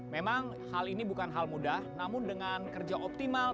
memang hal ini bukan hal mudah namun dengan kerja optimal